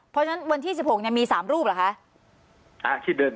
เพราะฉะนั้นวันที่๑๖มี๓รูปเหรอคะ